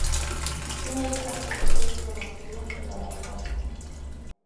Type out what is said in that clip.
Inhibe la producción de prolactina en la lactancia.